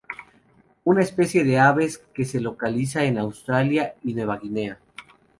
Es una especie de aves que se localiza en Australia y Nueva Guinea.